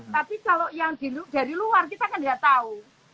tapi kalau yang dari luar kita kan tidak tahu